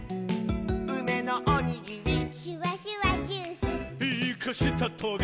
「うめのおにぎり」「シュワシュワジュース」「イカしたトゲ」